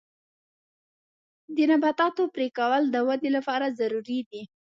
د نباتاتو پرې کول د ودې لپاره ضروري دي.